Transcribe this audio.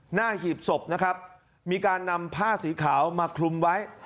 หีบศพนะครับมีการนำผ้าสีขาวมาคลุมไว้